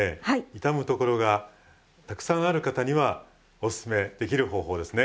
痛むところがたくさんある方にはおすすめできる方法ですね。